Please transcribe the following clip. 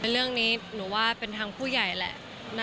เรื่องนี้หนูว่าเป็นทางผู้ใหญ่แหละ